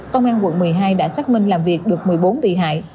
công an quận một mươi hai đã xác minh làm việc được một mươi bốn bị hại